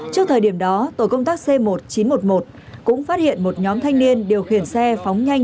trước thời điểm đó tổ công tác c một nghìn chín trăm một mươi một cũng phát hiện một nhóm thanh niên điều khiển xe phóng nhanh